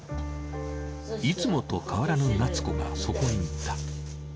いつもと変わらぬ夏子がそこにいた。